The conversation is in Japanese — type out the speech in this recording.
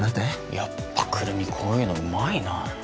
やっぱくるみこういうのうまいな。